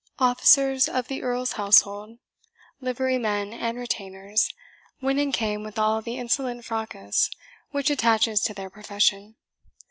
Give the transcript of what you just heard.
Officers of the Earl's household, liverymen and retainers, went and came with all the insolent fracas which attaches to their profession.